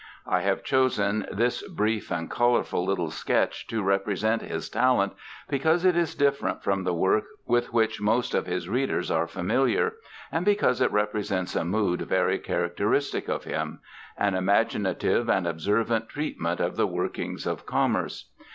I have chosen this brief and colorful little sketch to represent his talent because it is different from the work with which most of his readers are familiar, and because it represents a mood very characteristic of him an imaginative and observant treatment of the workings of commerce.